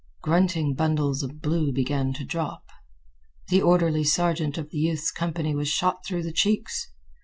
Grunting bundles of blue began to drop. The orderly sergeant of the youth's company was shot through the cheeks.